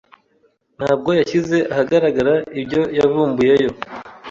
Ntabwo yashyize ahagaragara ibyo yavumbuyeyo